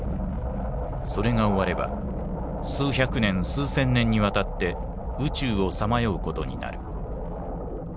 それが終われば数百年数千年にわたって宇宙をさまようことになる。